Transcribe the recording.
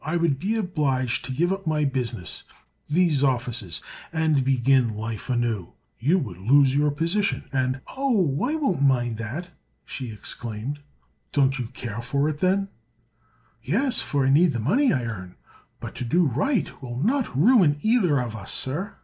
"I would be obliged to give up my business—these offices—and begin life anew. You would lose your position, and—" "Oh, I won't mind that!" she exclaimed. "Don't you care for it, then?" "Yes; for I need the money I earn. But to do right will not ruin either of us, sir."